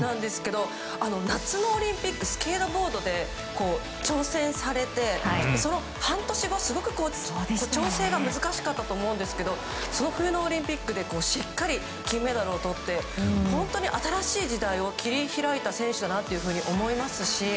夏のオリンピックスケートボードで調整されて半年後、調整が難しかったと思うんですがその冬のオリンピックでしっかり金メダルをとって新しい時代を切り開いた選手だと思いますし。